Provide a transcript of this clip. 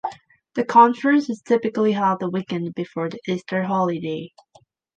The conference is typically held the weekend before the Easter holiday.